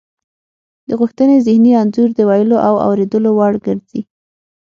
د غوښتنې ذهني انځور د ویلو او اوریدلو وړ ګرځي